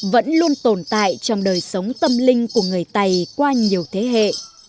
vẫn luôn tồn tại trong đời sống tâm linh của người tày qua nhiều thế hệ